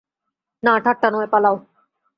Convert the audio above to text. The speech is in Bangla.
না, ঠাট্টা নয়, পালাও।